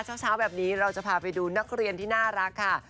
เช้าแบบนี้เราจะพาไปดูนักเรียนที่น่ารักค่ะ